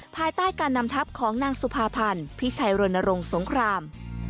ภายใต้การนำทัพของนางสุภาพันธ์พิชัยรณรงค์สงคราม